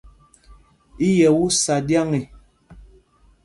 I yɛ́ ú sá ɗyǎŋ e ?